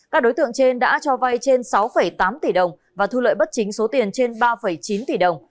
các đối tượng trên đã cho vay trên sáu tám tỷ đồng và thu lợi bất chính số tiền trên ba chín tỷ đồng